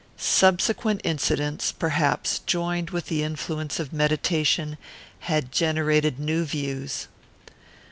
Subsequent incidents, perhaps, joined with the influence of meditation, had generated new views.